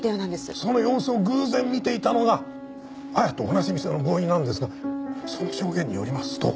その様子を偶然見ていたのが亜矢と同じ店のボーイなんですがその証言によりますと。